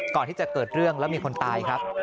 ก่อนที่จะเกิดเรื่องแล้วมีคนตายครับ